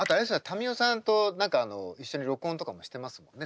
民生さんと何かあの一緒に録音とかもしてますもんね